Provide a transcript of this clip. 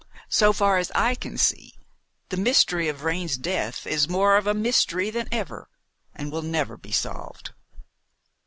So far as I can see, the mystery of Vrain's death is more of a mystery than ever, and will never be solved."